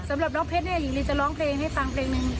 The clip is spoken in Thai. สำหรับน้องเพชรเนี่ยหญิงลีจะร้องเพลงให้ฟังเพลงหนึ่ง